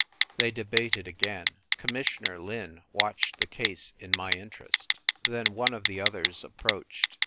They debated again. Commissioner Lin watched the case in my interest. Then one of the others approached.